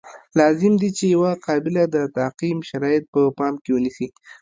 لازم دي چې یوه قابله د تعقیم شرایط په پام کې ونیسي.